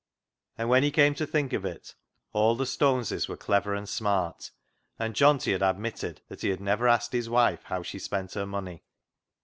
And when he came to think of it, all the Stoneses were clever and smart, and Johnty had admitted that he had never asked his wife how she spent her money.